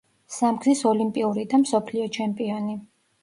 სამგზის ოლიმპიური და მსოფლიო ჩემპიონი.